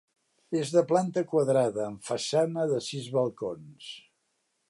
És de planta quadrada, amb façana de sis balcons.